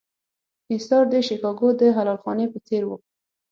اېثار د شیکاګو د حلال خانې په څېر و.